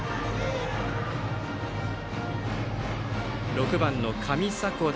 ６番の上迫田